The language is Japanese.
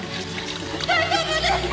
大丈夫ですか！？